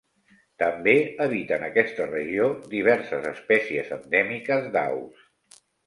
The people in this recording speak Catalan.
També habiten aquesta regió diverses espècies endèmiques d'aus.